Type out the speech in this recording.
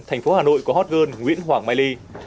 thành phố hà nội có hot girl nguyễn hoàng mai ly